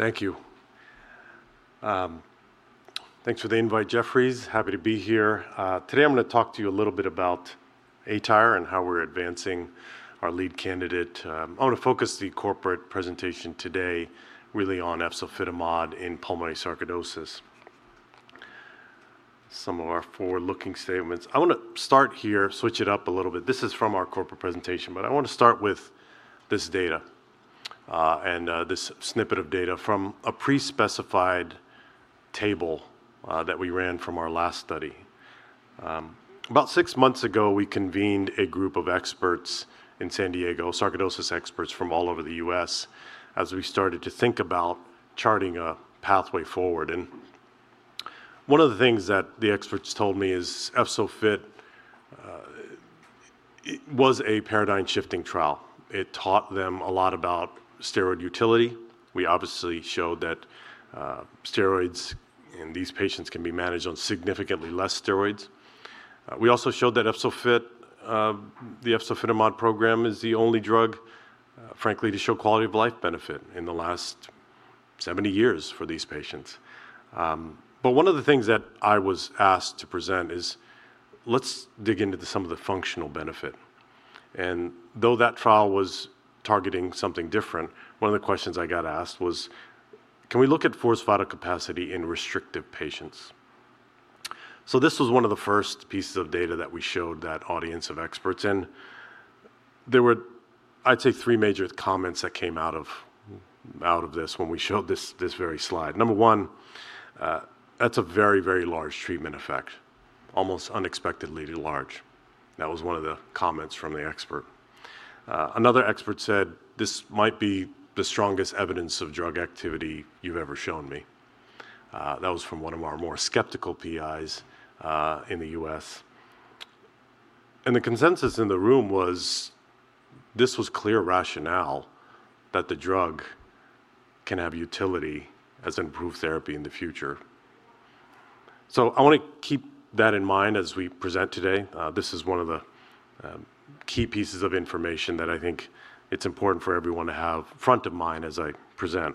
Thank you. Thanks for the invite, Jefferies. Happy to be here. Today I'm going to talk to you a little bit about aTyr and how we're advancing our lead candidate. I want to focus the corporate presentation today really on efzofitimod in pulmonary sarcoidosis. Some of our forward-looking statements. I want to start here, switch it up a little bit. This is from our corporate presentation, but I want to start with this data, and this snippet of data from a pre-specified table that we ran from our last study. About six months ago, we convened a group of experts in San Diego, sarcoidosis experts from all over the U.S., as we started to think about charting a pathway forward. One of the things that the experts told me is EFZO-FIT was a paradigm-shifting trial. It taught them a lot about steroid utility. We obviously showed that steroids in these patients can be managed on significantly less steroids. We also showed that the efzofitimod program is the only drug, frankly, to show quality-of-life benefit in the last 70 years for these patients. One of the things that I was asked to present is, let's dig into some of the functional benefit. Though that trial was targeting something different, one of the questions I got asked was, "Can we look at forced vital capacity in restrictive patients?" This was one of the first pieces of data that we showed that audience of experts, and there were, I'd say, three major comments that came out of this when we showed this very slide. Number one, that's a very large treatment effect, almost unexpectedly large. That was one of the comments from the expert. Another expert said, "This might be the strongest evidence of drug activity you've ever shown me." That was from one of our more skeptical PIs in the U.S. The consensus in the room was this was clear rationale that the drug can have utility as improved therapy in the future. I want to keep that in mind as we present today. This is one of the key pieces of information that I think it's important for everyone to have front of mind as I present.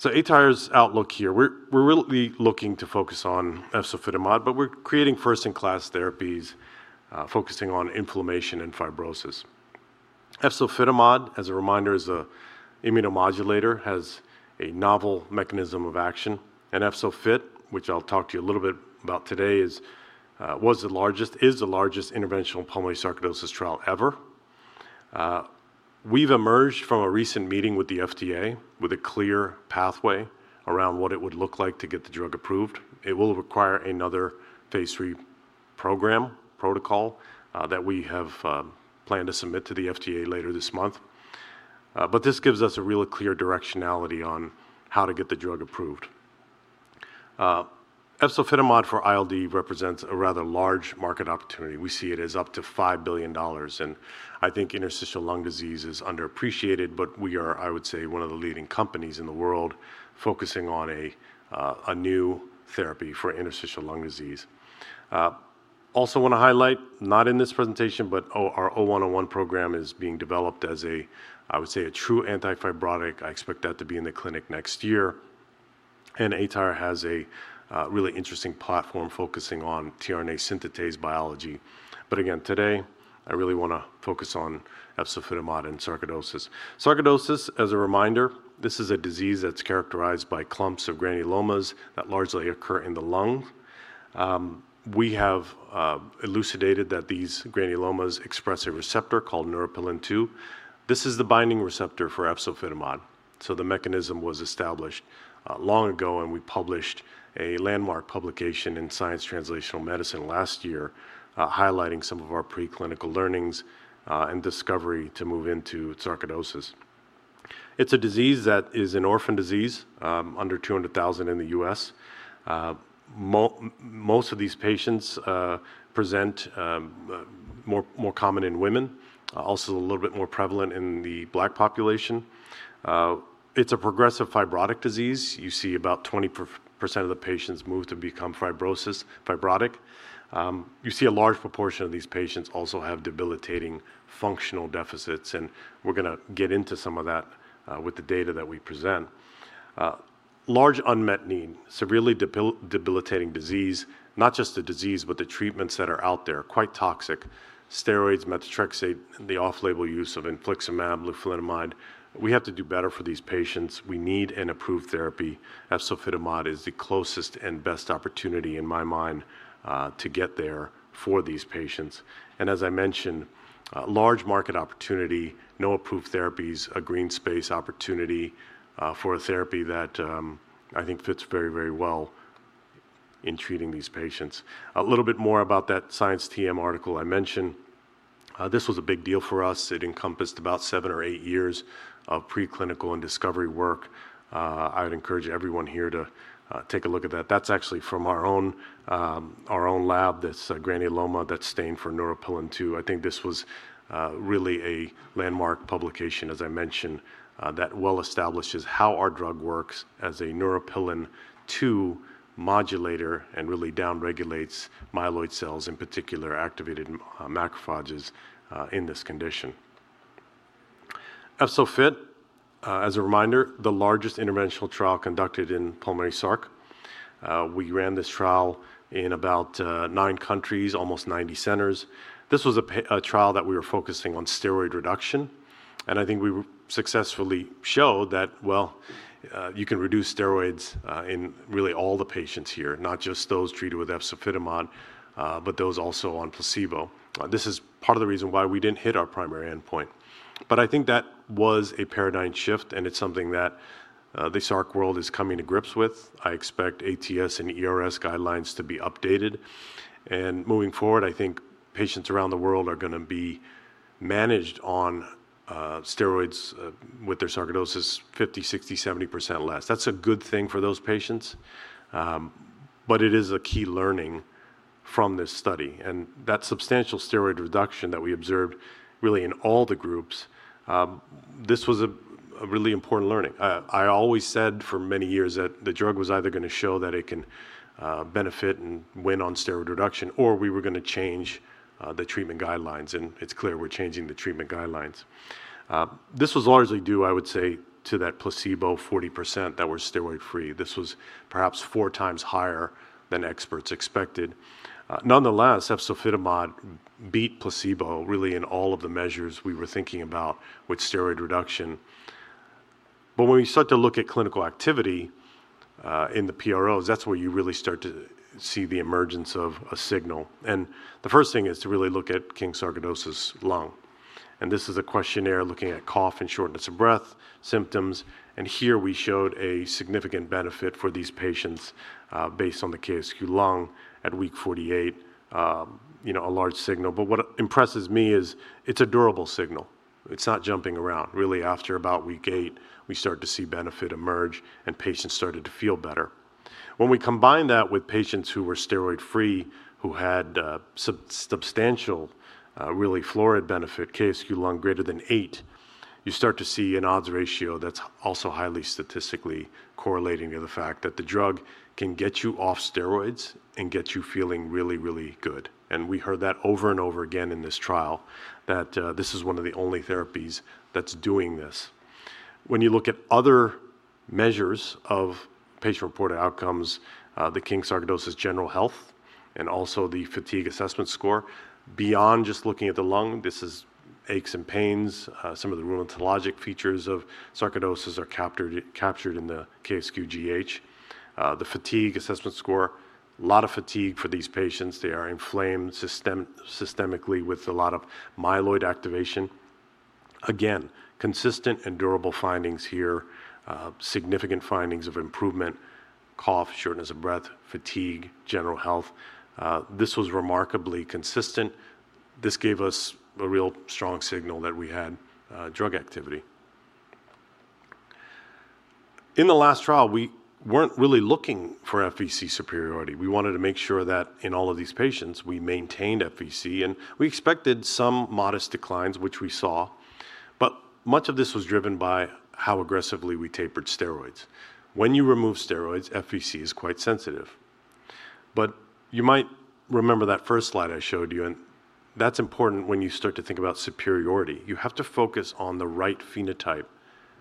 aTyr's outlook here. We're really looking to focus on efzofitimod, but we're creating first-in-class therapies focusing on inflammation and fibrosis. Efzofitimod, as a reminder, is a immunomodulator, has a novel mechanism of action. EFZO-FIT, which I'll talk to you a little bit about today, is the largest interventional pulmonary sarcoidosis trial ever. We've emerged from a recent meeting with the FDA with a clear pathway around what it would look like to get the drug approved. It will require another phase III program protocol that we have planned to submit to the FDA later this month. This gives us a real clear directionality on how to get the drug approved. efzofitimod for ILD represents a rather large market opportunity. We see it as up to $5 billion. I think interstitial lung disease is underappreciated, but we are, I would say, one of the leading companies in the world focusing on a new therapy for interstitial lung disease. Also want to highlight, not in this presentation, but our ATYR0101 program is being developed as, I would say, a true anti-fibrotic. I expect that to be in the clinic next year. aTyr has a really interesting platform focusing on tRNA synthetase biology. Again, today, I really want to focus on efzofitimod and sarcoidosis. Sarcoidosis, as a reminder, this is a disease that's characterized by clumps of granulomas that largely occur in the lung. We have elucidated that these granulomas express a receptor called neuropilin-2. This is the binding receptor for efzofitimod, so the mechanism was established long ago, and we published a landmark publication in "Science Translational Medicine" last year highlighting some of our preclinical learnings and discovery to move into sarcoidosis. It's a disease that is an orphan disease, under 200,000 in the U.S. Most of these patients present more common in women, also a little bit more prevalent in the Black population. It's a progressive fibrotic disease. You see about 20% of the patients move to become fibrotic. You see a large proportion of these patients also have debilitating functional deficits, and we're going to get into some of that with the data that we present. Large unmet need, severely debilitating disease. Not just the disease, but the treatments that are out there, quite toxic. Steroids, methotrexate, the off-label use of infliximab, leflunomide. We have to do better for these patients. We need an approved therapy. Efzofitimod is the closest and best opportunity, in my mind, to get there for these patients. As I mentioned, large market opportunity, no approved therapies, a green space opportunity for a therapy that I think fits very well in treating these patients. A little bit more about that Science TM article I mentioned. This was a big deal for us. It encompassed about seven or eight years of preclinical and discovery work. I would encourage everyone here to take a look at that. That's actually from our own lab. That's a granuloma that's stained for neuropilin-2. I think this was really a landmark publication, as I mentioned, that well establishes how our drug works as a neuropilin-2 modulator and really down-regulates myeloid cells, in particular, activated macrophages in this condition. EFZO-FIT, as a reminder, the largest interventional trial conducted in pulmonary sarc. We ran this trial in about nine countries, almost 90 centers. This was a trial that we were focusing on steroid reduction, and I think we successfully showed that you can reduce steroids in really all the patients here, not just those treated with efzofitimod, but those also on placebo. This is part of the reason why we didn't hit our primary endpoint. I think that was a paradigm shift, and it's something that the sarc world is coming to grips with. I expect ATS and ERS guidelines to be updated. Moving forward, I think patients around the world are going to be managed on steroids with their sarcoidosis 50%, 60%, 70% less. That's a good thing for those patients. It is a key learning from this study and that substantial steroid reduction that we observed really in all the groups, this was a really important learning. I always said for many years that the drug was either going to show that it can benefit and win on steroid reduction, or we were going to change the treatment guidelines, and it's clear we're changing the treatment guidelines. This was largely due, I would say, to that placebo 40% that were steroid-free. This was perhaps four times higher than experts expected. Nonetheless, efzofitimod beat placebo really in all of the measures we were thinking about with steroid reduction. When we start to look at clinical activity, in the PROs, that's where you really start to see the emergence of a signal. The first thing is to really look at King's Sarcoidosis lung. This is a questionnaire looking at cough and shortness of breath symptoms, and here we showed a significant benefit for these patients, based on the KSQ Lung at week 48, a large signal. What impresses me is it's a durable signal. It's not jumping around. Really after about week eight, we start to see benefit emerge and patients started to feel better. When we combine that with patients who were steroid-free, who had substantial really florid benefit KSQ Lung greater than eight, you start to see an odds ratio that's also highly statistically correlating to the fact that the drug can get you off steroids and get you feeling really, really good. We heard that over and over again in this trial that this is one of the only therapies that's doing this. When you look at other measures of Patient-Reported Outcomes, the King's Sarcoidosis Questionnaire general health, and also the fatigue assessment score, beyond just looking at the lung, this is aches and pains. Some of the rheumatologic features of sarcoidosis are captured in the KSQ GH. The fatigue assessment score, lot of fatigue for these patients. They are inflamed systemically with a lot of myeloid activation. Consistent and durable findings here, significant findings of improvement, cough, shortness of breath, fatigue, general health. This was remarkably consistent. This gave us a real strong signal that we had drug activity. In the last trial, we weren't really looking for FVC superiority. We wanted to make sure that in all of these patients, we maintained FVC, and we expected some modest declines, which we saw. Much of this was driven by how aggressively we tapered steroids. When you remove steroids, FVC is quite sensitive. You might remember that first slide I showed you, and that's important when you start to think about superiority. You have to focus on the right phenotype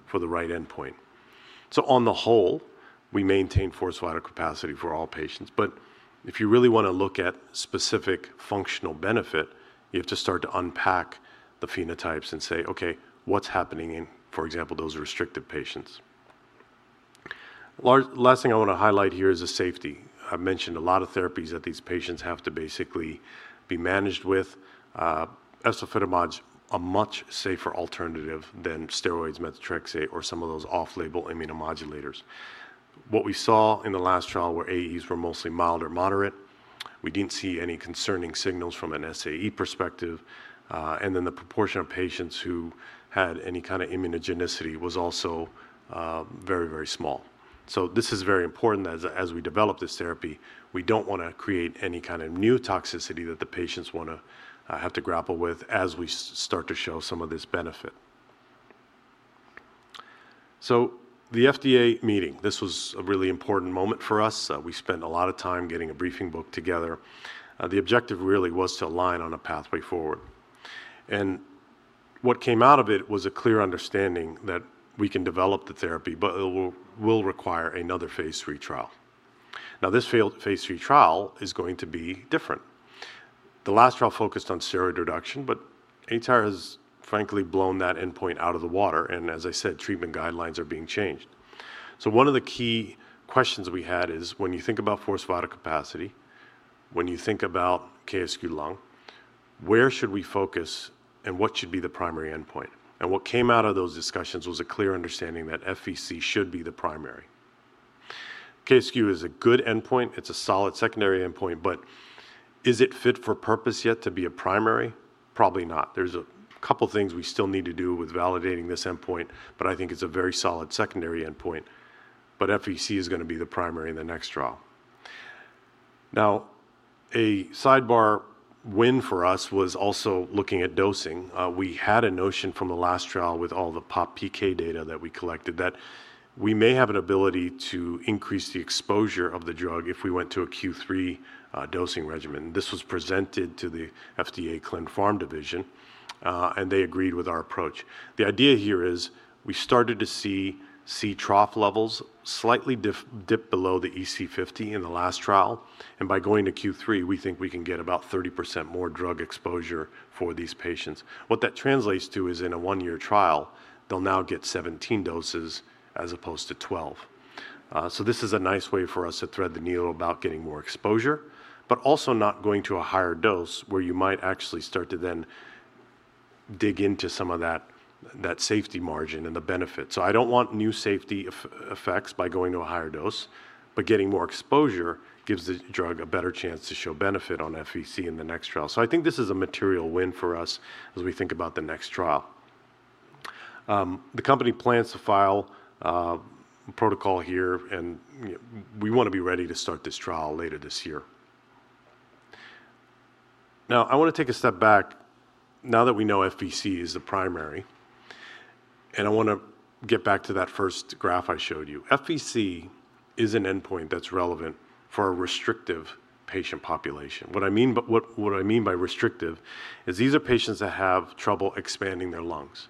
for the right endpoint. On the whole, we maintain forced vital capacity for all patients. If you really want to look at specific functional benefit, you have to start to unpack the phenotypes and say, "Okay, what's happening in, for example, those restrictive patients?" Last thing I want to highlight here is the safety. I've mentioned a lot of therapies that these patients have to basically be managed with. Efzofitimod's a much safer alternative than steroids, methotrexate, or some of those off-label immunomodulators. What we saw in the last trial were AEs were mostly mild or moderate. We didn't see any concerning signals from an SAE perspective. The proportion of patients who had any kind of immunogenicity was also very small. This is very important as we develop this therapy. We don't want to create any kind of new toxicity that the patients have to grapple with as we start to show some of this benefit. The FDA meeting, this was a really important moment for us. We spent a lot of time getting a briefing book together. The objective really was to align on a pathway forward. What came out of it was a clear understanding that we can develop the therapy, but it will require another phase III trial. This phase III trial is going to be different. The last trial focused on steroid reduction, but aTyr has frankly blown that endpoint out of the water, and as I said, treatment guidelines are being changed. One of the key questions we had is when you think about forced vital capacity, when you think about KSQ Lung, where should we focus and what should be the primary endpoint? What came out of those discussions was a clear understanding that FVC should be the primary. KSQ is a good endpoint. It's a solid secondary endpoint, but is it fit for purpose yet to be a primary? Probably not. There's a couple things we still need to do with validating this endpoint, but I think it's a very solid secondary endpoint, but FVC is going to be the primary in the next trial. Now, a sidebar win for us was also looking at dosing. We had a notion from the last trial with all the PopPK data that we collected that we may have an ability to increase the exposure of the drug if we went to a Q3 dosing regimen. This was presented to the FDA Clin Pharm division, and they agreed with our approach. The idea here is we started to see trough levels slightly dip below the EC50 in the last trial, and by going to Q3, we think we can get about 30% more drug exposure for these patients. What that translates to is in a one-year trial, they'll now get 17 doses as opposed to 12. This is a nice way for us to thread the needle about getting more exposure, but also not going to a higher dose where you might actually start to then dig into some of that safety margin and the benefit. I don't want new safety effects by going to a higher dose, but getting more exposure gives the drug a better chance to show benefit on FVC in the next trial. I think this is a material win for us as we think about the next trial. The company plans to file a protocol here, and we want to be ready to start this trial later this year. I want to take a step back now that we know FVC is the primary, and I want to get back to that first graph I showed you. FVC is an endpoint that's relevant for a restrictive patient population. What I mean by restrictive is these are patients that have trouble expanding their lungs.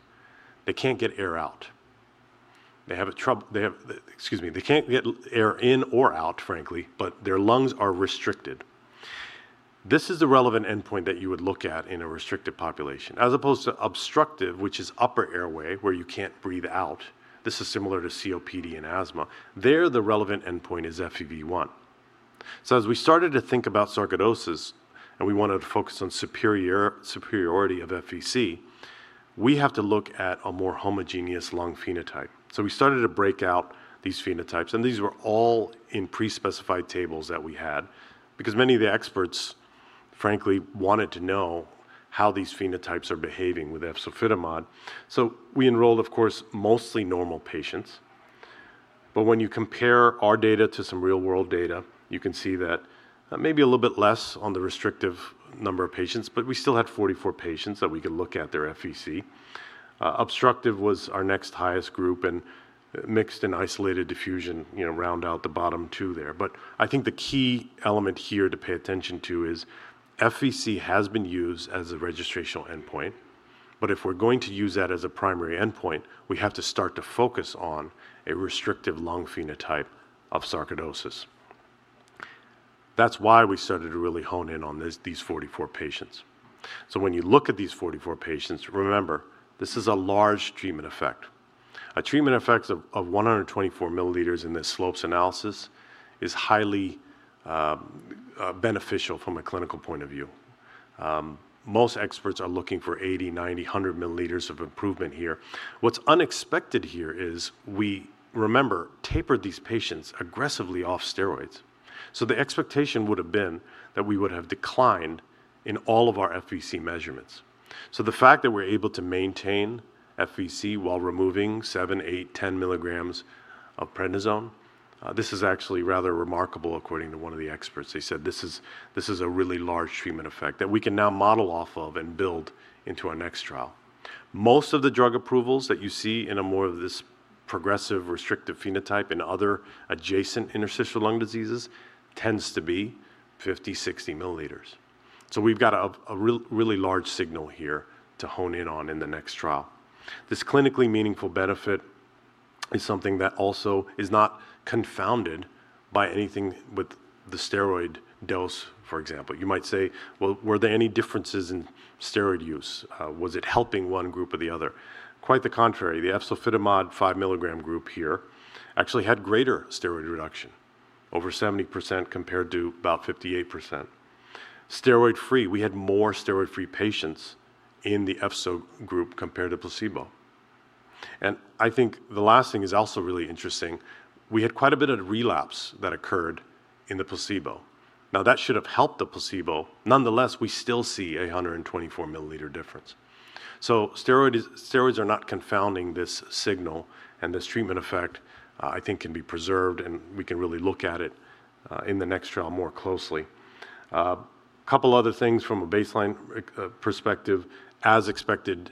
They can't get air out. They can't get air in or out, frankly, but their lungs are restricted. This is a relevant endpoint that you would look at in a restricted population as opposed to obstructive, which is upper airway, where you can't breathe out. This is similar to COPD and asthma. There, the relevant endpoint is FEV1. As we started to think about sarcoidosis, and we wanted to focus on superiority of FVC, we have to look at a more homogeneous lung phenotype. We started to break out these phenotypes, and these were all in pre-specified tables that we had because many of the experts, frankly, wanted to know how these phenotypes are behaving with efzofitimod. We enrolled, of course, mostly normal patients. When you compare our data to some real-world data, you can see that maybe a little bit less on the restrictive number of patients, but we still had 44 patients that we could look at their FVC. Obstructive was our next highest group, and mixed and isolated diffusion round out the bottom two there. I think the key element here to pay attention to is FVC has been used as a registrational endpoint. If we're going to use that as a primary endpoint, we have to start to focus on a restrictive lung phenotype of sarcoidosis. That's why we started to really hone in on these 44 patients. When you look at these 44 patients, remember, this is a large treatment effect. A treatment effect of 124 mL in this slopes analysis is highly beneficial from a clinical point of view. Most experts are looking for 80 mL, 90 mL, 100 mL of improvement here. What's unexpected here is we, remember, tapered these patients aggressively off steroids. The expectation would have been that we would have declined in all of our FVC measurements. The fact that we're able to maintain FVC while removing 7 mg, 8 mg, 10 mg of prednisone, this is actually rather remarkable according to one of the experts. They said this is a really large treatment effect that we can now model off of and build into our next trial. Most of the drug approvals that you see in a more of this progressive restrictive phenotype and other adjacent interstitial lung diseases tends to be 50mL, 60 mL. We've got a really large signal here to hone in on in the next trial. This clinically meaningful benefit is something that also is not confounded by anything with the steroid dose, for example. You might say, "Well, were there any differences in steroid use? Was it helping one group or the other?" Quite the contrary. The efzofitimod 5 mg group here actually had greater steroid reduction, over 70% compared to about 58%. Steroid-free, we had more steroid-free patients in the EFZO group compared to placebo. I think the last thing is also really interesting. We had quite a bit of relapse that occurred in the placebo. That should have helped the placebo. Nonetheless, we still see a 124 mL difference. Steroids are not confounding this signal, and this treatment effect, I think, can be preserved, and we can really look at it in the next trial more closely. A couple other things from a baseline perspective. As expected,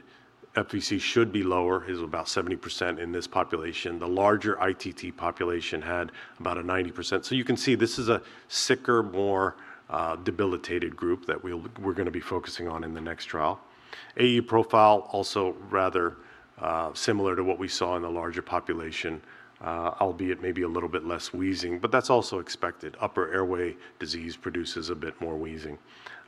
FVC should be lower, is about 70% in this population. The larger ITT population had about a 90%. You can see this is a sicker, more debilitated group that we're going to be focusing on in the next trial. AE profile, also rather similar to what we saw in the larger population, albeit maybe a little bit less wheezing, but that's also expected. Upper airway disease produces a bit more wheezing.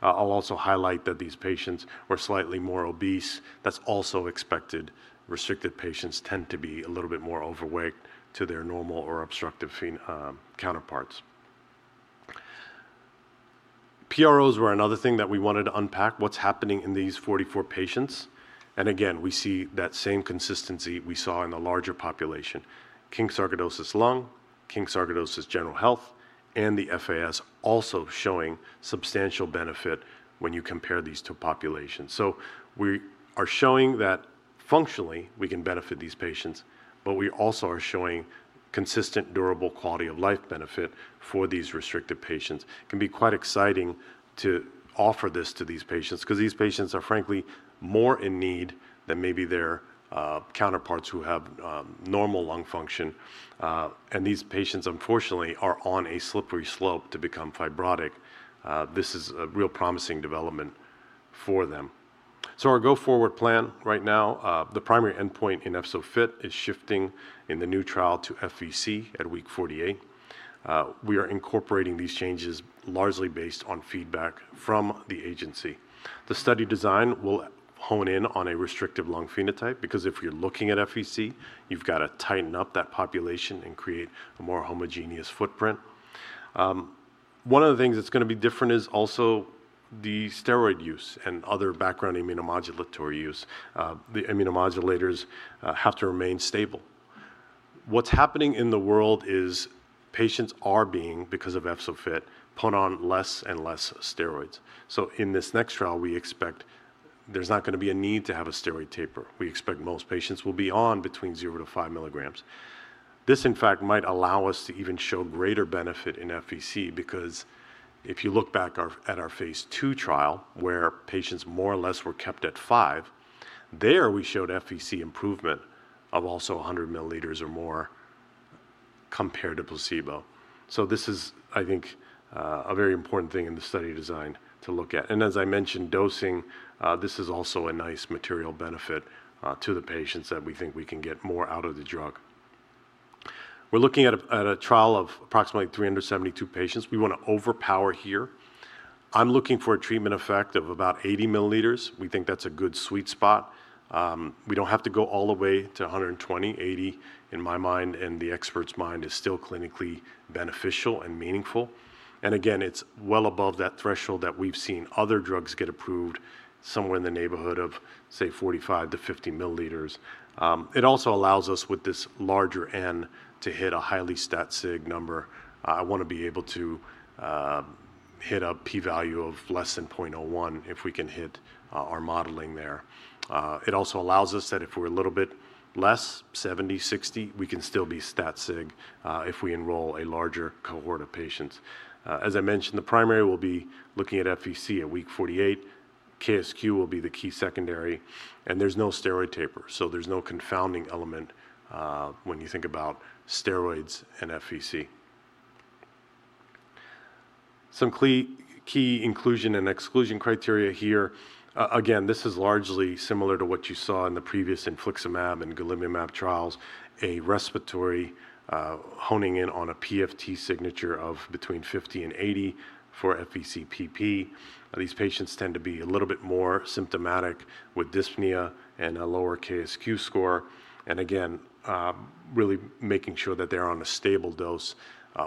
I'll also highlight that these patients were slightly more obese. That's also expected. Restricted patients tend to be a little bit more overweight to their normal or obstructive counterparts. PROs were another thing that we wanted to unpack what's happening in these 44 patients. Again, we see that same consistency we saw in the larger population. King's Sarcoidosis lung, King's Sarcoidosis general health, and the FAS also showing substantial benefit when you compare these two populations. We are showing that functionally, we can benefit these patients, but we also are showing consistent, durable quality-of-life benefit for these restrictive patients. It can be quite exciting to offer this to these patients because these patients are frankly more in need than maybe their counterparts who have normal lung function. These patients, unfortunately, are on a slippery slope to become fibrotic. This is a real promising development for them. Our go-forward plan right now, the primary endpoint in EFZO-FIT is shifting in the new trial to FVC at week 48. We are incorporating these changes largely based on feedback from the agency. The study design will hone in on a restrictive lung phenotype, because if you're looking at FVC, you've got to tighten up that population and create a more homogeneous footprint. One of the things that's going to be different is also the steroid use and other background immunomodulatory use. The immunomodulators have to remain stable. What's happening in the world is patients are being, because of EFZO-FIT, put on less and less steroids. In this next trial, we expect there's not going to be a need to have a steroid taper. We expect most patients will be on between 0-5 mg. This, in fact, might allow us to even show greater benefit in FVC because if you look back at our phase II trial where patients more or less were kept at 5 mg, there we showed FVC improvement of also 100 mL or more compared to placebo. This is, I think, a very important thing in the study design to look at. As I mentioned, dosing, this is also a nice material benefit to the patients that we think we can get more out of the drug. We're looking at a trial of approximately 372 patients. We want to overpower here. I'm looking for a treatment effect of about 80 mL. We think that's a good sweet spot. We don't have to go all the way to 120 mL. 80 mL in my mind and the expert's mind is still clinically beneficial and meaningful. Again, it's well above that threshold that we've seen other drugs get approved somewhere in the neighborhood of, say, 45-50 mLs. Also allows us with this larger N to hit a highly stat sig number. I want to be able to hit a P value of less than 0.01 if we can hit our modeling there. Also allows us that if we're a little bit less, 70, 60, we can still be stat sig if we enroll a larger cohort of patients. As I mentioned, the primary will be looking at FVC at week 48. KSQ will be the key secondary, there's no steroid taper. There's no confounding element when you think about steroids and FVC. Some key inclusion and exclusion criteria here. Again, this is largely similar to what you saw in the previous infliximab and golimumab trials, a respiratory honing in on a PFT signature of between 50% and 80% for FVCpp. These patients tend to be a little bit more symptomatic with dyspnea and a lower KSQ score. Again, really making sure that they're on a stable dose.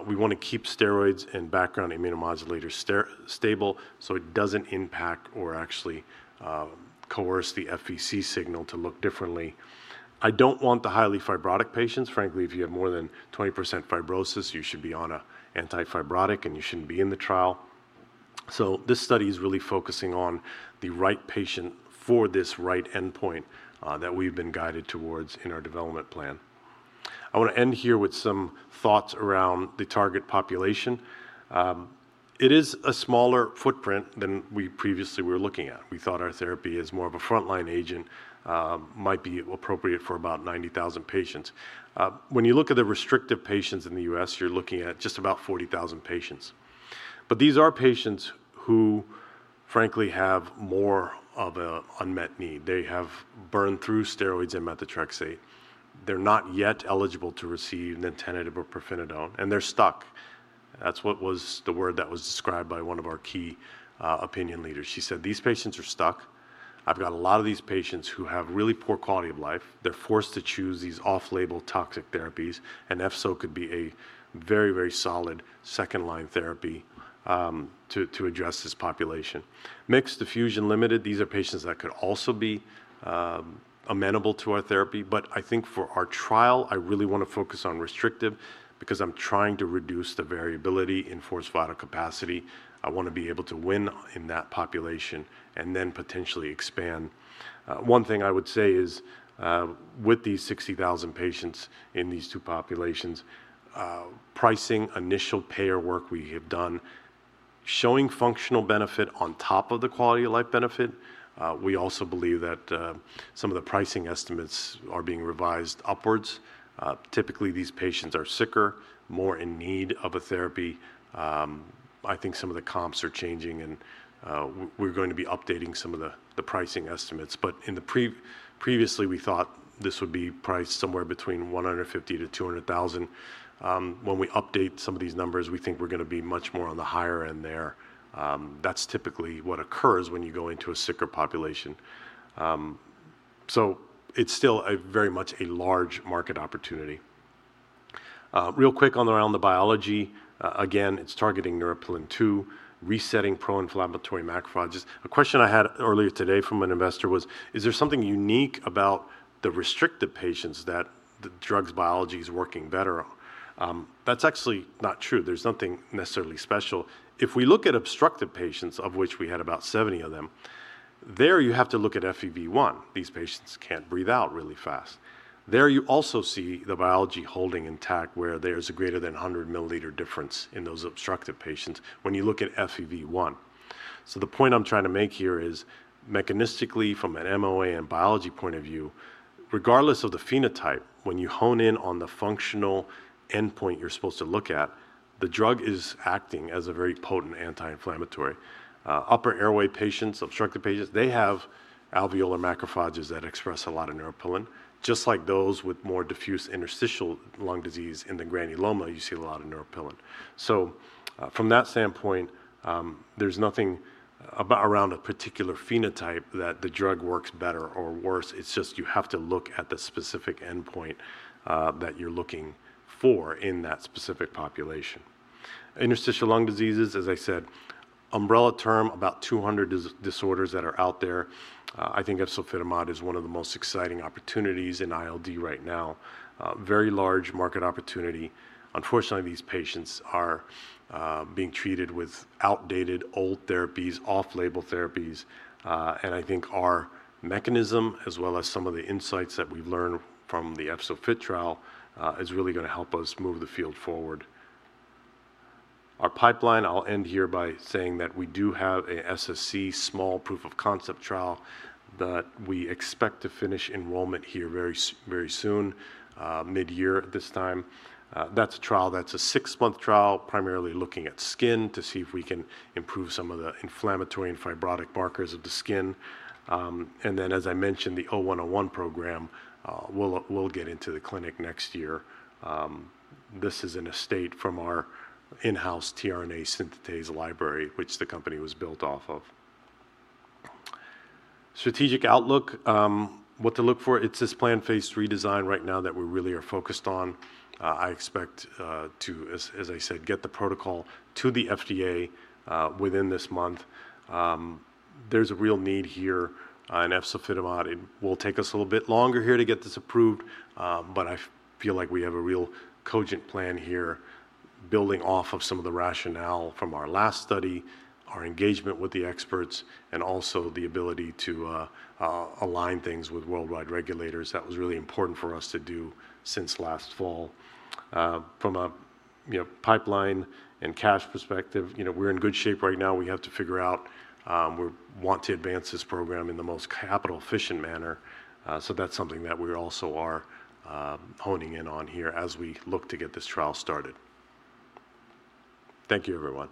We want to keep steroids and background immunomodulators stable so it doesn't impact or actually coerce the FVC signal to look differently. I don't want the highly fibrotic patients. Frankly, if you have more than 20% fibrosis, you should be on an anti-fibrotic, and you shouldn't be in the trial. This study is really focusing on the right patient for this right endpoint that we've been guided towards in our development plan. I want to end here with some thoughts around the target population. It is a smaller footprint than we previously were looking at. We thought our therapy as more of a frontline agent might be appropriate for about 90,000 patients. When you look at the restrictive patients in the U.S., you're looking at just about 40,000 patients. These are patients who frankly have more of an unmet need. They have burned through steroids and methotrexate. They're not yet eligible to receive nintedanib or pirfenidone, and they're stuck. That's what was the word that was described by one of our key opinion leaders. She said, "These patients are stuck. I've got a lot of these patients who have really poor quality of life. They're forced to choose these off-label toxic therapies." EFZO could be a very solid second-line therapy to address this population. Mixed diffusion limited, these are patients that could also be amenable to our therapy. I think for our trial, I really want to focus on restrictive because I'm trying to reduce the variability in forced vital capacity. I want to be able to win in that population and then potentially expand. One thing I would say is with these 60,000 patients in these two populations, pricing, initial payer work we have done showing functional benefit on top of the quality-of-life benefit. We also believe that some of the pricing estimates are being revised upwards. Typically, these patients are sicker, more in need of a therapy. I think some of the comps are changing, and we're going to be updating some of the pricing estimates. Previously we thought this would be priced somewhere between $150,000-$200,000. When we update some of these numbers, we think we're going to be much more on the higher end there. That's typically what occurs when you go into a sicker population. It's still very much a large market opportunity. Real quick on around the biology. Again, it's targeting neuropilin-2, resetting pro-inflammatory macrophages. A question I had earlier today from an investor was, is there something unique about the restricted patients that the drug's biology is working better on? That's actually not true. There's nothing necessarily special. If we look at obstructive patients, of which we had about 70 of them. There you have to look at FEV1. These patients can't breathe out really fast. There you also see the biology holding intact where there's a greater than 100 mL difference in those obstructive patients when you look at FEV1. The point I'm trying to make here is mechanistically from an MOA and biology point of view, regardless of the phenotype, when you hone in on the functional endpoint you're supposed to look at, the drug is acting as a very potent anti-inflammatory. Upper airway patients, obstructive patients, they have alveolar macrophages that express a lot of neuropilin-2, just like those with more diffuse interstitial lung disease in the granulomas, you see a lot of neuropilin-2. From that standpoint, there's nothing around a particular phenotype that the drug works better or worse. It's just you have to look at the specific endpoint that you're looking for in that specific population. Interstitial lung diseases, as I said, umbrella term, about 200 disorders that are out there. I think efzofitimod is one of the most exciting opportunities in ILD right now. Very large market opportunity. Unfortunately, these patients are being treated with outdated old therapies, off-label therapies. I think our mechanism, as well as some of the insights that we've learned from the EFZO-FIT trial, is really going to help us move the field forward. Our pipeline, I'll end here by saying that we do have a SSc small proof of concept trial that we expect to finish enrollment here very soon, mid-year at this time. That's a trial that's a six-month trial, primarily looking at skin to see if we can improve some of the inflammatory and fibrotic markers of the skin. Then, as I mentioned, the 0101 program will get into the clinic next year. This is an estate from our in-house tRNA synthetase library, which the company was built off of. Strategic outlook, what to look for. It's this planned phase redesign right now that we really are focused on. I expect to, as I said, get the protocol to the FDA within this month. There's a real need here in efzofitimod. I feel like we have a real cogent plan here, building off of some of the rationale from our last study, our engagement with the experts, and also the ability to align things with worldwide regulators. That was really important for us to do since last fall. From a pipeline and cash perspective, we're in good shape right now. We have to figure out, we want to advance this program in the most capital-efficient manner. That's something that we also are honing in on here as we look to get this trial started. Thank you, everyone.